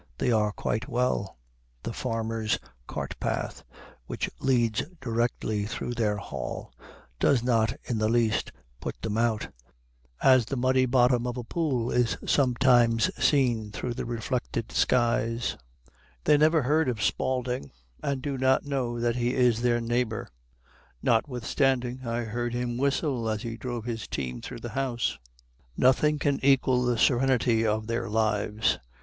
They are quite well. The farmer's cart path, which leads directly through their hall, does not in the least put them out, as the muddy bottom of a pool is sometimes seen through the reflected skies. They never heard of Spaulding, and do not know that he is their neighbor, notwithstanding I heard him whistle as he drove his team through the house. Nothing can equal the serenity of their lives.